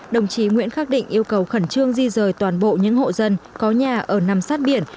đồng chí nguyễn khắc định yêu cầu khẩn trương di rời toàn bộ những hộ dân có nhà ở nằm sát biển